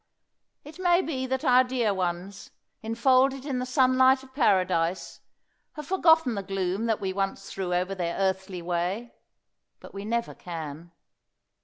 It may be that our dear ones, enfolded in the sunlight of Paradise, have forgotten the gloom that we once threw over their earthly way. But we never can.